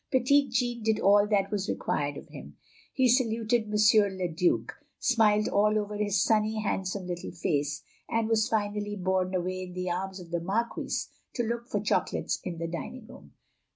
Petit Jean did all that was required of him; he saluted M. le Due; smiled all over his sunny, handsome, little face; and was finally borne away in the arms of the Marquise to look for chocolates in the dining room.